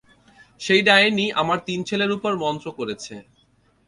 সেই ডাইনি আমার তিন ছেলের উপর মন্ত্র করেছে।